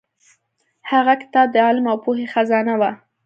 هغه کتاب د علم او پوهې خزانه وه.